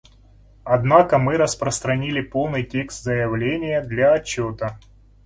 Однако мы распространили полный текст заявления для отчета.